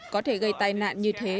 có thể gây tai nạn như thế